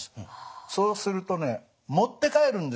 そうするとね持って帰るんですよ